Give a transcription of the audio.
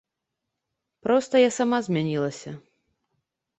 Проста я сама змянілася.